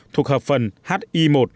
thuộc hợp phần hi một